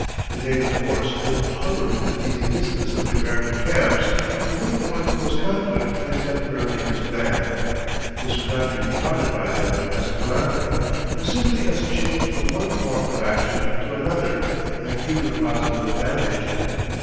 The native force would hover within easy distance of the American camps, but would avoid close conflict and temporarily disband. This would not be regarded by them as a calamity, but simply as a change from one form of action to another, and even a positive advantage.